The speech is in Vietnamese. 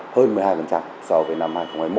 hơn một mươi hai so với năm hai nghìn hai mươi một